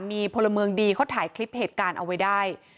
มีพลเมืองดีเขาถ่ายคลิปเหตุการณ์เอาไว้ได้